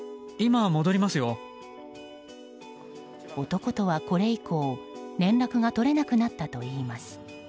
男とは、これ以降連絡が取れなくなったといいます。